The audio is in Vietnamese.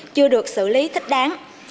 chưa được xử lý thích đáng